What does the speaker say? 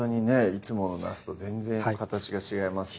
いつものなすと全然形が違いますね